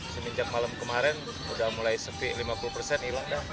semenjak malam kemarin udah mulai sepi lima puluh persen hilang dah